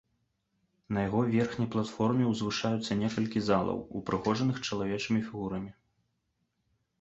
На яго верхняй платформе ўзвышаюцца некалькі залаў, упрыгожаных чалавечымі фігурамі.